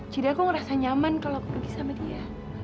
jadi aku ngerasa nyaman kalau aku pergi sama dia